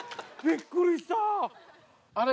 びっくりした！